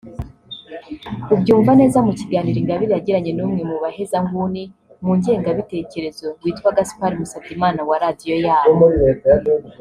ubyumva neza mu kiganiro Ingabire yagiranye n’umwe mu bahezanguni mu ngengabitekerezo witwa Gaspard Musabyimana wa Radiyo yabo